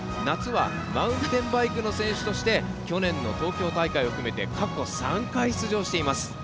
夏はマウンテンバイクの選手として去年の東京大会を含めて過去３回、出場しています。